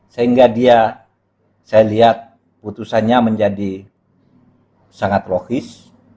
sehingga dia saya lihat putusannya menjadi sangat logis